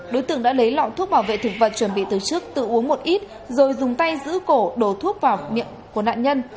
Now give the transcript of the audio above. đối tượng đã lấy lọ thuốc bảo vệ thực vật chuẩn bị từ trước tự uống một ít rồi dùng tay giữ cổ đổ thuốc vào miệng của nạn nhân